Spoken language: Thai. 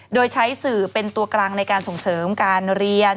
โดยใช้สื่อเป็นตัวกลางในการส่งเสริมการเรียน